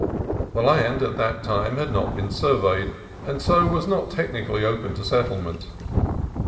The land at that time had not been surveyed, and so was not technically open to settlement.